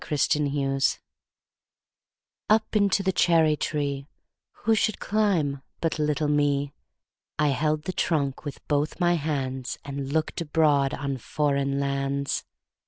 Foreign Lands UP into the cherry treeWho should climb but little me?I held the trunk with both my handsAnd looked abroad on foreign lands.